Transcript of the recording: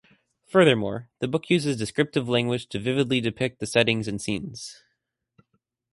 Furthermore, the book uses descriptive language to vividly depict the settings and scenes.